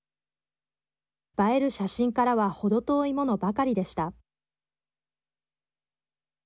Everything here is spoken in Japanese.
映える写真からは程遠いものばかりでした。